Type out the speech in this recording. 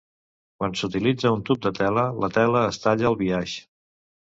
Quan s'utilitza un tub de tela, la tela es talla al biaix.